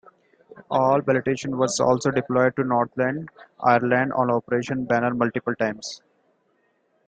All battalions were also deployed to Northern Ireland on Operation Banner multiple times.